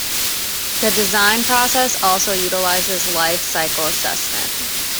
The design process also utilizes life cycle assessment.